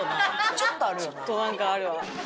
ちょっとなんかあるわ。